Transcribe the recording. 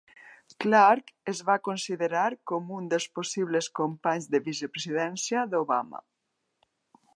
Clark es va considerar com un dels possibles companys de vicepresidència d'Obama.